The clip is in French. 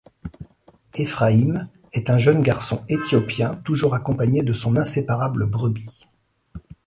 Ephraïm est un jeune garçon éthiopien, toujours accompagné de son inséparable brebis.